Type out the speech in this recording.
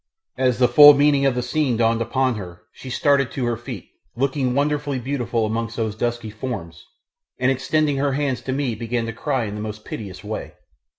As the full meaning of the scene dawned upon her she started to her feet, looking wonderfully beautiful amongst those dusky forms, and extending her hands to me began to cry in the most piteous way.